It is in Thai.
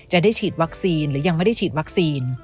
จะได้ฉีดวัคซีนหรือยังไม่ได้ฉีดวัคซีน